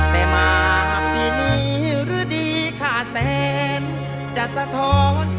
แต่มาปีนี้หรือดีขาดแสนจะสะท้อน